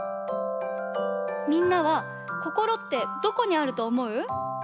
みんなはこころってどこにあるとおもう？